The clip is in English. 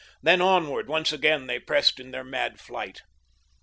Then onward once again they pressed in their mad flight.